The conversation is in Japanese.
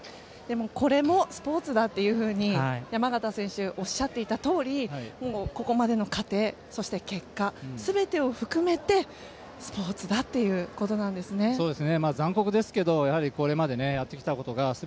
これもスポーツだというふうに山縣選手がおっしゃっていたとおりここまでの過程、結果全てを含めてスポーツだということなんですね。